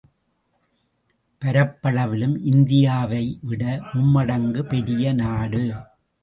பரப்பளவிலும் இந்தியாவை விட மும்மடங்கு பெரியநாடு.